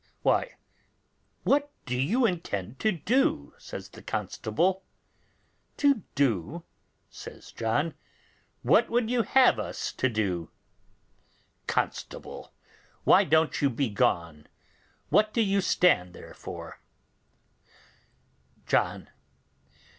] 'Why, what do you intend to do?' says the constable. 'To do,' says John; 'what would you have us to do?' Constable. Why don't you be gone? What do you stay there for? John.